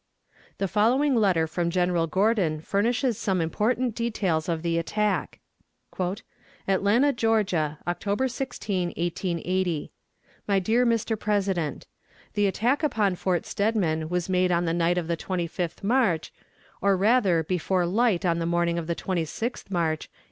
The following letter from General Gordon furnishes some important details of the attack: "ATLANTA, GEORGIA, October 16, 1880. "MY DEAR MR. PRESIDENT: The attack upon Fort Steadman was made on the night of the 25th March, or rather before light on the morning of the 26th March, 1865.